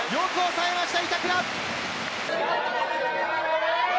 よく抑えました！